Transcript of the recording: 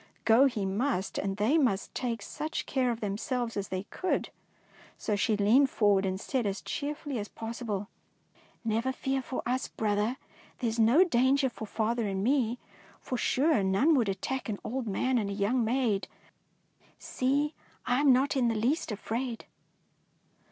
Gro he must, and they must take such care of themselves as they could. So she leaned forward, and said as cheerfully as possible, —" Never fear for us, brother. There 16 241 DEEDS OF DAEING is no danger for father and me, for sure none would attack an old man and a young maid. See, I am not in the least afraid.